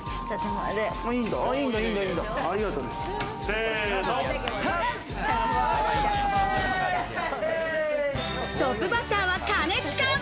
トップバッターは兼近。